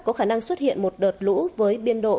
có khả năng xuất hiện một đợt lũ với biên độ